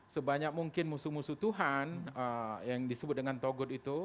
sebanyak mungkin musuh musuh tuhan yang disebut dengan togut itu